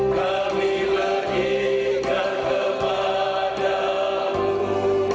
kami mengingat kepadamu